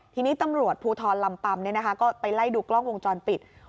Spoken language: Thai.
ทีนี้ตำรวจภูทรลำปัมก็ไปไล่ดูกล้องวงจรปิด